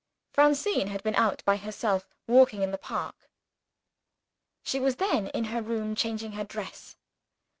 Francine had been out, by herself, walking in the park. She was then in her room, changing her dress.